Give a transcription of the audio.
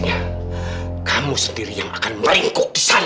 memang saya tidak sudah akan memahami betapa dekat yang